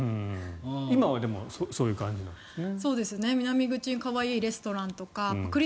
今はでもそういう感じなんですね。